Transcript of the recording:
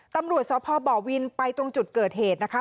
ตำรวจสพบวินไปตรงจุดเกิดเหตุนะคะ